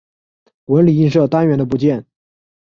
纹理映射单元的部件。